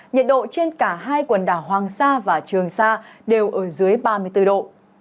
nhiệt độ trên cả hai quần đảo hoàng sa và trường sa đều ở dưới ba mươi bốn độ